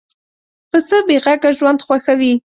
پسه بېغږه ژوند خوښوي.